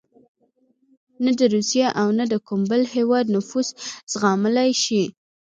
نه د روسیې او نه د کوم بل هېواد نفوذ زغملای شو.